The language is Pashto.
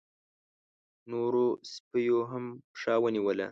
نورو سپيو هم پښه ونيوله.